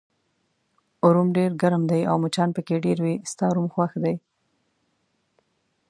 روم ډېر ګرم دی او مچان پکې ډېر وي، ستا روم خوښ دی؟